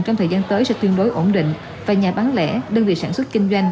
trong thời gian tới sẽ tuyên đối ổn định và nhà bán lễ đơn vị sản xuất kinh doanh